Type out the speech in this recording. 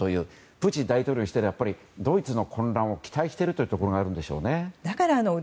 プーチン大統領にしてみればドイツの混乱を期待しているところがあるんでしょうね。